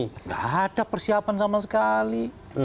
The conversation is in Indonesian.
tidak ada persiapan sama sekali